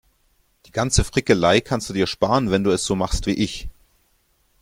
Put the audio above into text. Die ganze Frickelei kannst du dir sparen, wenn du es so machst wie ich.